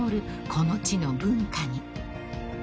この地の文化に］